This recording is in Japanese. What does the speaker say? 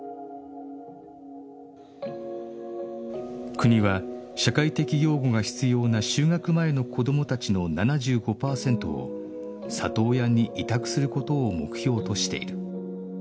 国は社会的養護が必要な就学前の子どもたちの７５パーセントを里親に委託することを目標としている